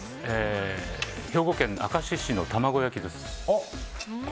兵庫県明石市の玉子焼きです。